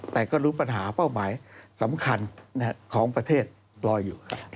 แต่ก็รู้ปัญหาเป้าหมายสำคัญของประเทศรออยู่ครับ